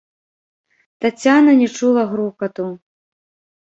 Таццяна не чула грукату.